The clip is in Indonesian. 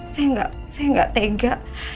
saya enggak tega